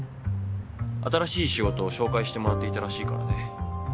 新しい仕事を紹介してもらっていたらしいからね。